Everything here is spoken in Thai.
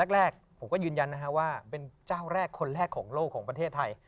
แรกผมก็ยืนยันว่าเป็นเจ้าแรกคนแรกของโลกของประเทศไทย